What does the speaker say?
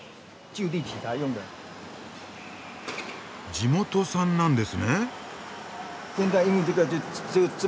地元産なんですね？